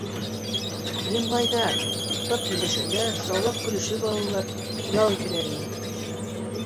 Йымлайҙар, туҡтап һөйләшәләр, шаулап көлөшөп алалар, ял итәләр ине.